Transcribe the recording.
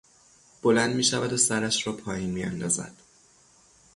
بلند میشود و سرش را پایین میاندازد